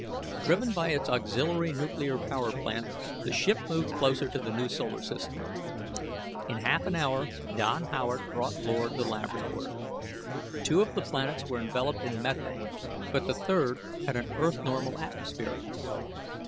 Driven by its auxiliary nuclear power unit, the ship moved closer to the new solar system. In half an hour Don Howard brought Lord the lab report. Two of the planets were enveloped in methane, but the third had an earth normal atmosphere.